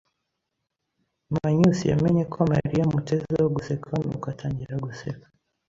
Manyusi yamenye ko Mariya amutezeho guseka, nuko atangira guseka.